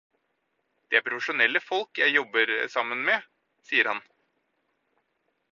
Det er profesjonelle folk jeg jobber sammen med, sier han.